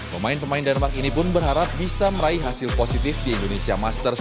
pemain pemain denmark ini pun berharap bisa meraih hasil positif di indonesia masters dua ribu dua puluh empat